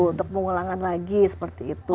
untuk pengulangan lagi seperti itu